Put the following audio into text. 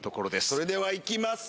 それではいきます